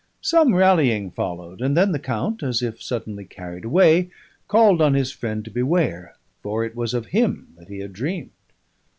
Some rallying followed, and then the count, as if suddenly carried away, called on his friend to beware, for it was of him that he had dreamed.